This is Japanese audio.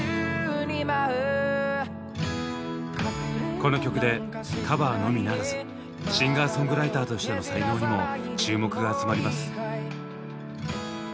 この曲でカバーのみならずシンガーソングライターとしての才能にも注目が集まります。